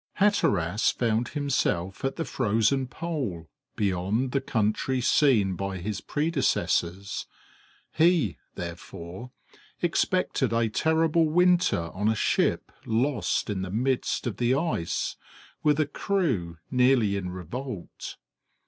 Hatteras found himself at the Frozen Pole beyond the countries seen by his predecessors; he, therefore, expected a terrible winter on a ship lost in the midst of the ice with a crew nearly in revolt.